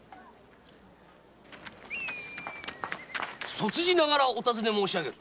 卒爾ながらお尋ね申し上げる。